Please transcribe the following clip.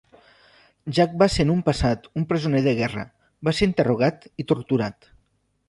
Jack va ser en un passat un presoner de guerra, va ser interrogat i torturat.